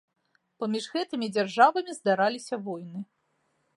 Паміж гэтымі дзяржавамі здараліся войны.